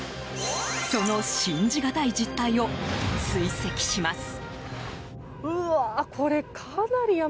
その信じがたい実態を追跡します。